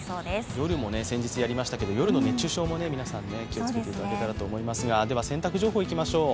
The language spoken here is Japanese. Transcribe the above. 夜も先日やりましたけど、夜の熱中症も気をつけていただけたらと思いますが、洗濯情報いきましょう。